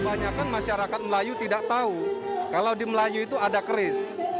kebanyakan masyarakat melayu tidak tahu kalau di melayu itu ada keris